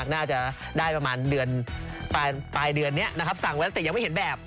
น่าจะได้ประมาณปลายเดือนสั่งแต่ยังไม่เห็นแบบ